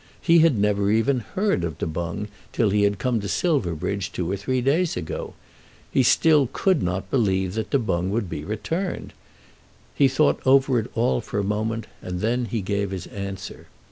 He had never even heard of Du Boung till he had come to Silverbridge two or three days ago. He still could not believe that Du Boung would be returned. He thought over it all for a moment, and then he gave his answer.